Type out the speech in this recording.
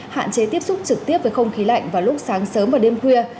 hạn chế tiếp xúc trực tiếp với không khí lạnh vào lúc sáng sớm và đêm khuya